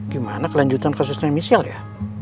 gimana kelanjutan kasusnya inisial ya